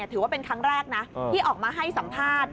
ถือว่าเป็นครั้งแรกนะที่ออกมาให้สัมภาษณ์